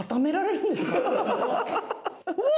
うわ！